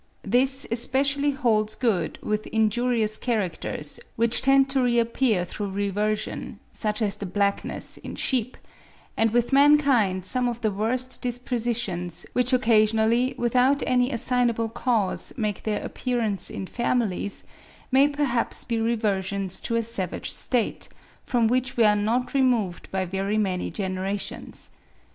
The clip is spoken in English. This especially holds good with injurious characters which tend to reappear through reversion, such as blackness in sheep; and with mankind some of the worst dispositions, which occasionally without any assignable cause make their appearance in families, may perhaps be reversions to a savage state, from which we are not removed by very many generations.